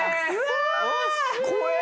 怖え！